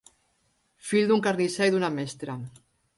Fill d'un carnisser i d'una mestra.